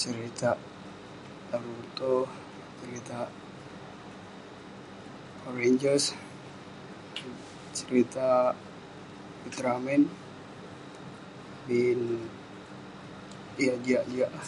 Serintak Naruto serintak power ranger serintak ultramen bin yah jiak-jiak lah